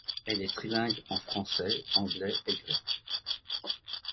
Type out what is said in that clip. Elle est trilingue en français, anglais et grec.